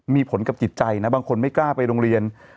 มีผลกับจิตใจนะบางคนไม่กล้าไปโรงเรียน